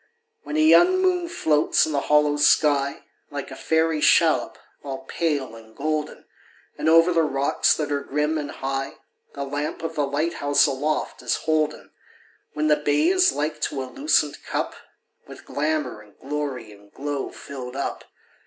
When a young moon floats in the hollow sky, Like a fairy shallop, all pale and golden. And over the rocks that are grim and high. The lamp of the light house aloft is holden; When the bay is like to a lucent cup With glamor and glory and glow filled up.